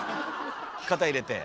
肩入れて。